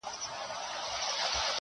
قاسم یار جوړ له دې څلور ټکو جمله یمه زه